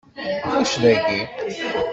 Ulac dagi.